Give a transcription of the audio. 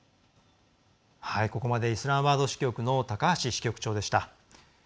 ここまでイスラマバード支局の高橋支局長でした。